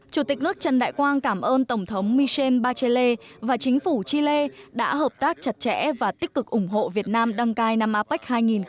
chủ tịch nước trần đại quang cảm ơn tổng thống michel bachelle và chính phủ chile đã hợp tác chặt chẽ và tích cực ủng hộ việt nam đăng cai năm apec hai nghìn hai mươi